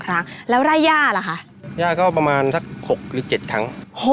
ข้าวก็ประมาณสัก๖๗ครั้ง